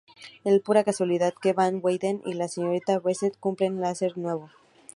Es pura casualidad que van Weyden y la señorita Brewster cumplen Larsen nuevo.